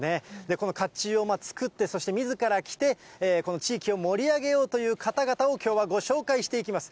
この甲冑を作って、そしてみずから着て、この地域を盛り上げようという方々をきょうはご紹介していきます。